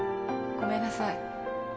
ごめんなさい。